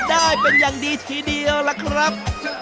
ได้เป็นอย่างดีทีเดียวล่ะครับ